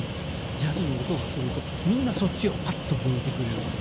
ジャズの音がするとみんなそっちをパッと向いてくれるという。